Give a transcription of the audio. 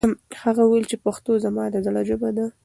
هغه وویل چې پښتو زما د زړه ژبه ده.